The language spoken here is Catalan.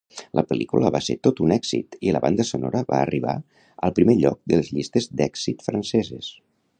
La pel·lícula van ser tot un èxit i la banda sonora va arribar al primer lloc de les llistes d'èxit franceses.